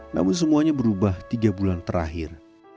namun semuanya berubah tiga bulan terakhir